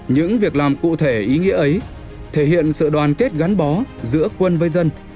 những việc làm cụ thể ý nghĩa ấy thể hiện sự đoàn kết gắn bó giữa quân với dân